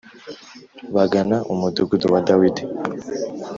bagana umudugudu wa Dawidi